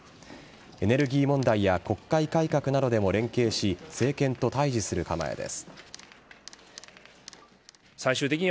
エネルギー問題や国会改革などでも連携し政権と対峙する構えです。